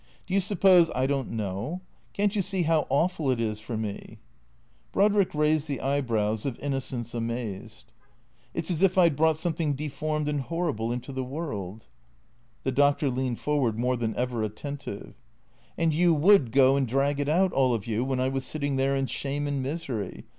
Do you suppose I don't know ? Can't you see how awful it is for me ?" Brodrick raised the eyebrows of innocence amazed. " It 's as if I 'd brought something deformed and horrible into the world " The doctor leaned forward, more than ever attentive. " And you would go and drag it out, all of you, when I was sitting there in shame and misery.